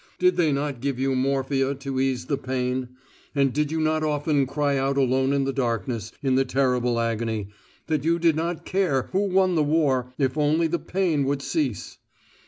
Did they not give you morphia to ease the pain? And did you not often cry out alone in the darkness in the terrible agony, that you did not care who won the war if only the pain would cease?